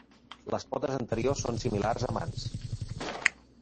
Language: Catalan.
Les potes anteriors són similars a mans.